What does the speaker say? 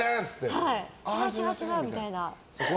違う違う！みたいな。